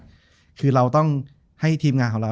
จบการโรงแรมจบการโรงแรม